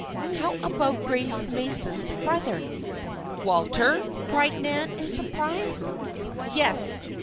"How about Grace Mason's brother?" "Walter?" cried Nan, in surprise. "Yes.